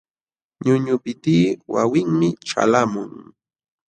Ñuñupitiy wawinmi ćhalqamun.